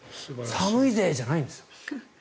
寒いぜ！じゃないんです。